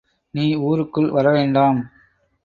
நீ ஊருக்குள் வரவேண்டாம்.